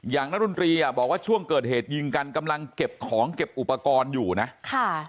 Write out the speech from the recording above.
นักดนตรีอ่ะบอกว่าช่วงเกิดเหตุยิงกันกำลังเก็บของเก็บอุปกรณ์อยู่นะค่ะ